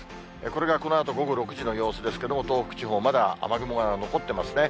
これがこのあと午後６時の様子ですけれども、東北地方、まだ雨雲が残ってますね。